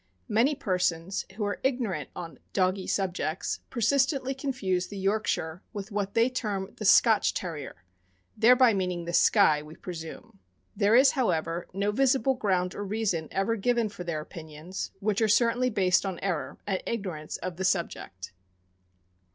Many persons who are ignorant on " doggy " subjects persistently confuse the Yorkshire with what they term the "Scotch Terrier," thereby meaning the Skye, we presume. There is, however, no visible ground or reason ever given for their opinions, which are certainly based on error, and ignorance of the subject LANCASHIRE BEN (A. K. C. S B. 16278;. Owned by P. H. Coombs, Bangor, Maine.